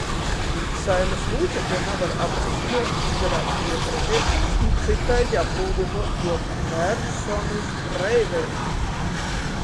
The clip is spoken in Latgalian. Saeimys lūcekļa navar apcītynuot, izdareit pi juo krateišonys, ni cytaidi aprūbežuot juo personys breiveibu,